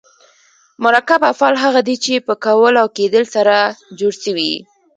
مرکب افعال هغه دي، چي په کول او کېدل سره جوړ سوي یي.